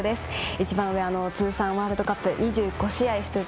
一番上、ワールドカップ通算２５試合出場